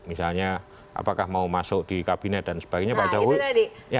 misalnya apakah mau masuk di kabinet dan sebagainya pak jokowi